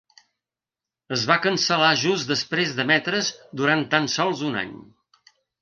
Es va cancel·lar just després d'emetre's durant tan sols un any.